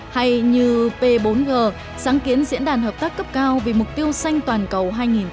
hay như p bốn g sáng kiến diễn đàn hợp tác cấp cao vì mục tiêu xanh toàn cầu hai nghìn hai mươi